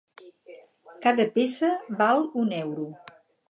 Cada peça val un euro.